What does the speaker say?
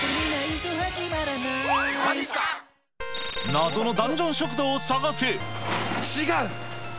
謎のダンジョン食堂を探せ！